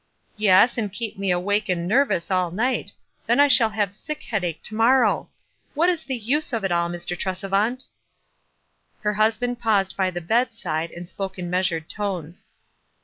"Yes, and keep me awake and nervous all night ; then I shall have sick headache to mor row. What is the use of it all , Mr. Tresevant ?" Her husband paused by the bedside, and spoke in measured tones.